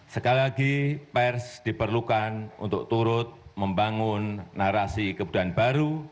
sekali lagi pers diperlukan untuk turut membangun narasi kebudayaan baru